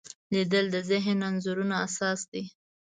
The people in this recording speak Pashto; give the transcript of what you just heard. لیدل د ذهني انځورونو اساس دی